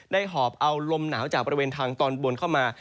หอบเอาลมหนาวจากบริเวณทางตอนบนเข้ามา